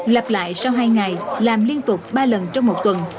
lặp lại sau hai ngày làm liên tục ba lần trong một tuần